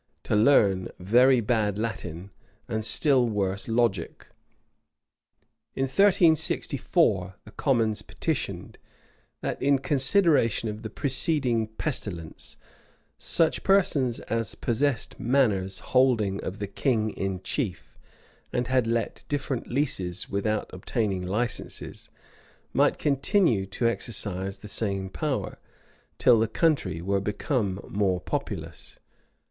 To learn very bad Latin, and still worse logic. In 1364, the commons petitioned, that, in consideration of the preceding pestilence, such persons as possessed manors holding of the king in chief, and had let different leases without obtaining licenses, might continue to exercise the same power, till the country were become more populous.